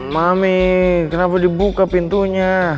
mami kenapa dibuka pintunya